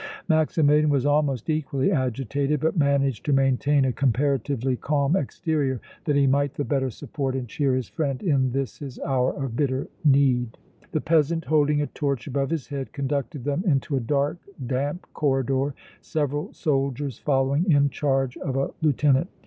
Maximilian was almost equally agitated, but managed to maintain a comparatively calm exterior that he might the better support and cheer his friend in this his hour of bitter need. The peasant, holding a torch above his head, conducted them into a dark, damp corridor, several soldiers following in charge of a lieutenant.